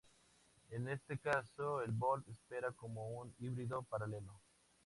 En este caso el Volt opera como un híbrido paralelo.